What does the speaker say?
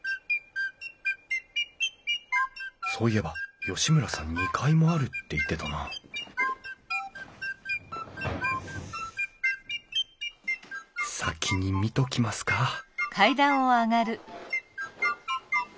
そういえば吉村さん２階もあるって言ってたな先に見ときますかあれ？